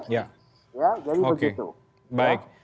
ya jadi begitu